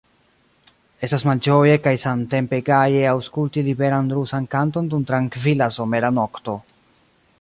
Estas malĝoje kaj samtempe gaje aŭskulti liberan rusan kanton dum trankvila somera nokto.